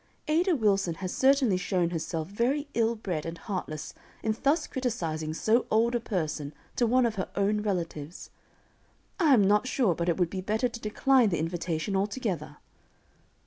Ada Wilson has certainly shown herself very ill bred and heartless in thus criticising so old a person to one of her own relatives. I am not sure but it would be better to decline the invitation altogether."